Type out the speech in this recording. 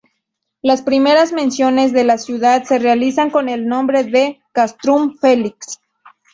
Las primeras menciones de la ciudad se realizan con el nombre de "Castrum Felix".